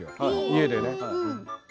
家でね。